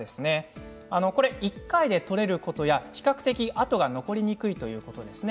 これは１回で取れることや比較的、痕が残りにくいということです。